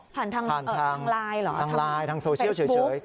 ผ่านทางไลน์หรอทางโซเชียลเฉย